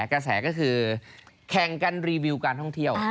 กระแสก็คือแข่งกันรีวิวการท่องเที่ยว